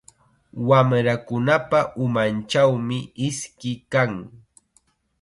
Wamrakunapa umanchawmi iski kan.